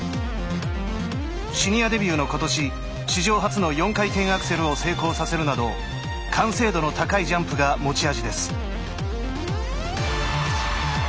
シニアデビューの今年史上初の４回転アクセルを成功させるなど完成度の高いジャンプが持ち味です。